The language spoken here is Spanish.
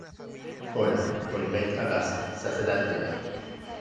Hola volved a casa se hace tarde ya